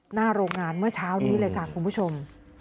หน้าโรงงานเมื่อเช้านี้เลยค่ะคุณผู้ชม